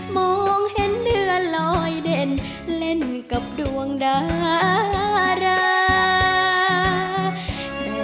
มองเห็นเดือนลอยเด่นเล่นกับดวงดารา